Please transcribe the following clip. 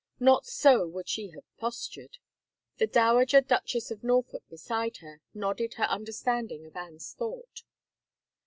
Not so would she have pos tured! 14 185 THE FAVOR OF KINGS The Dowager Duchess of Norfolk beside her. nodded her understanding of Anne's thought.